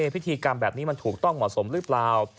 พิธีกรรมแบบนี้มันถูกต้องเหมาะสมหรือเปล่า